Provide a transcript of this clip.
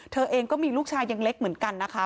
เธอเองก็มีลูกชายยังเล็กเหมือนกันนะคะ